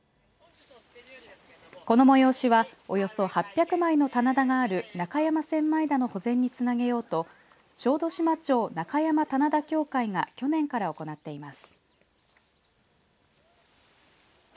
この催しは、およそ８００枚の棚田がある中山千枚田の保全につなげようと小豆島町中山棚田協議会が去年から行っています。